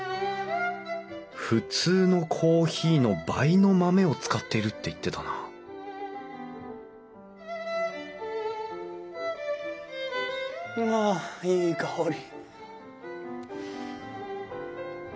普通のコーヒーの倍の豆を使っているって言ってたなはあいい香り。